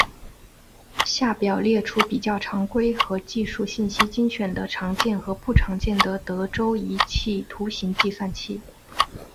下表列出比较常规和技术信息精选的常见和不常见的德州仪器图形计算器。